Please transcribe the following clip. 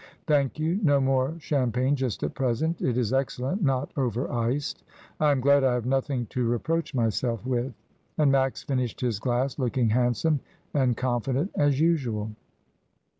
Thank you, no more champagne just at present; it is excellent, not over iced. I am glad I have nothing to reproach myself with."^ And Max finished his glass looking handsome and confident as usual.